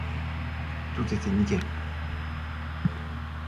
Tout était nickel!